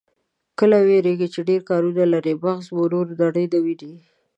که وېرېږئ چې ډېر کارونه لرئ، مغز مو نوره نړۍ نه ويني.